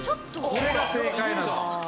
これが正解なんです。